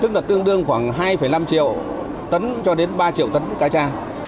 tức là tương đương khoảng hai năm triệu tấn cho đến ba triệu tấn cá cha